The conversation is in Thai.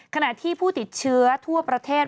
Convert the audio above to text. ขณะที่ผู้ติดเชื้อทั่วประเทศ